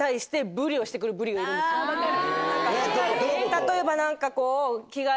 例えば何かこう。